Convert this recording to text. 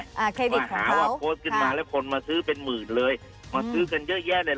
อ่าเครดิตของเขามาหาวัดโปรดขึ้นมาแล้วคนมาซื้อเป็นหมื่นเลยมาซื้อกันเยอะแยะเลย